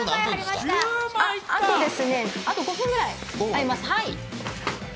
あと５分くらいあります。